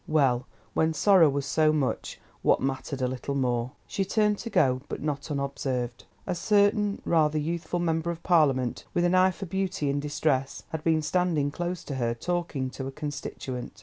Well, when sorrow was so much, what mattered a little more? She turned to go, but not unobserved. A certain rather youthful Member of Parliament, with an eye for beauty in distress, had been standing close to her, talking to a constituent.